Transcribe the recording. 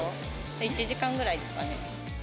１時間ぐらいですかね。